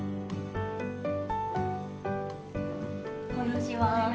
こんにちは。